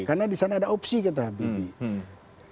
karena disana ada opsi kita habibie